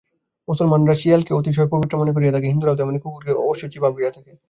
মুসলমানেরা শিয়ালকে অতিশয় অপবিত্র মনে করিয়া থাকে, হিন্দুরাও তেমনি কুকুরকে অশুচি ভাবিয়া থাকে।